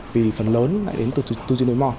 vì phần lớn lại đến từ tu duy nối mò